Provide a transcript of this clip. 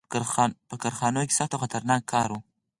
• په کارخانو کې سخت او خطرناک کار و.